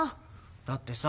だってさ